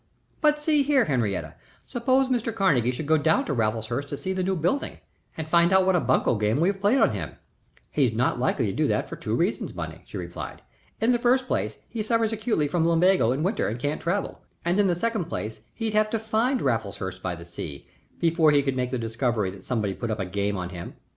"But see here, Henrietta, suppose Mr. Carnegie should go down to Raffleshurst to see the new building and find out what a bunco game we have played on him?" "He's not likely to do that for two reasons, Bunny," she replied. "In the first place he suffers acutely from lumbago in winter and can't travel, and in the second place he'd have to find Raffleshurst by the Sea before he could make the discovery that somebody'd put up a game on him.